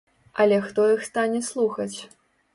Але хто іх стане слухаць?